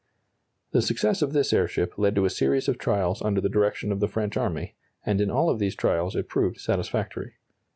] The success of this airship led to a series of trials under the direction of the French army, and in all of these trials it proved satisfactory.